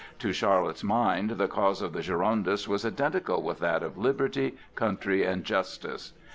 To Charlotte's mind the cause of the Girondists was identical with that of liberty, country, and justice.